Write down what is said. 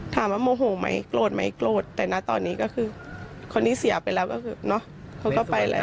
โมโหไหมโกรธไหมโกรธแต่นะตอนนี้ก็คือคนที่เสียไปแล้วก็คือเนอะเขาก็ไปแล้ว